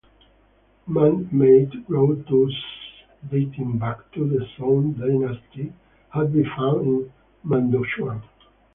Manmade grottoes dating back to the Song dynasty have been found in Madongchuan.